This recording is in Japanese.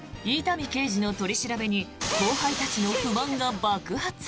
伊丹刑事の取り調べに後輩たちの不満が爆発！